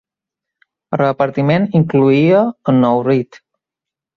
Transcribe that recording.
El repartiment incloïa a Nourrit.